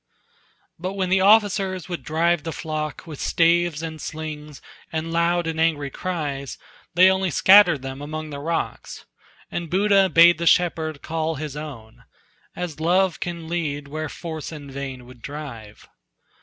But when the officers would drive the flock With staves and slings and loud and angry cries, They only scattered them among the rocks, And Buddha bade the shepherd call his own, As love can lead where force in vain would drive.